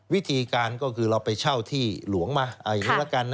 วิธีการก็คือเราไปเช่าที่หลวงมาเอาอย่างนี้ละกันนะ